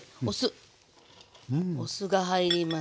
お酢が入ります。